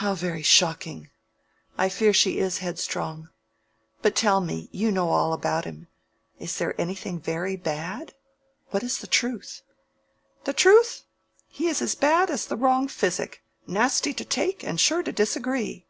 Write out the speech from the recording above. "How very shocking! I fear she is headstrong. But tell me—you know all about him—is there anything very bad? What is the truth?" "The truth? he is as bad as the wrong physic—nasty to take, and sure to disagree."